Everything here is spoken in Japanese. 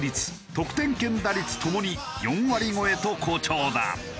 得点圏打率ともに４割超えと好調だ。